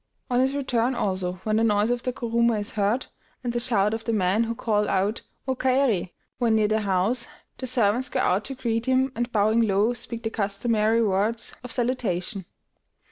On his return, also, when the noise of the kuruma is heard, and the shout of the men, who call out "O kaeri!" when near the house, the servants go out to greet him, and bowing low speak the customary words of salutation.